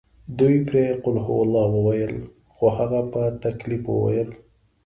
دوی پرې قل هوالله وویلې خو هغه په تکلیف وویل.